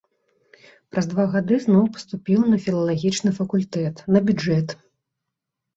Праз два гады зноў паступіў на філалагічным факультэт, на бюджэт.